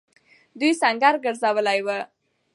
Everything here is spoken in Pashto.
دوی سنګر گرځولی وو.